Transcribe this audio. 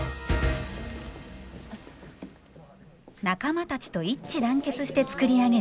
仲間たちと一致団結して作り上げるステージ。